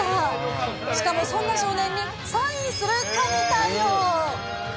しかもそんな少年にサインする神対応。